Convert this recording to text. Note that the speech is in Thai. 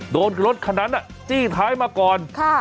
โดนรถคันนั้นจี้ท้ายมาก่อน